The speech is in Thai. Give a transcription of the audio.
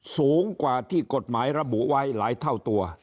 สูงกว่าที่กฎหมายระบุไว้หลายเท่าตัว